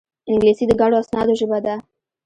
انګلیسي د ګڼو اسنادو ژبه ده